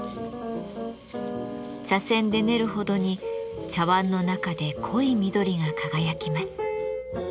茶せんで練るほどに茶わんの中で濃い緑が輝きます。